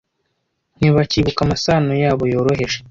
ntibakibuka amasano yabo yoroheje